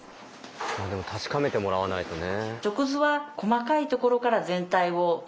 まあでも確かめてもらわないとね。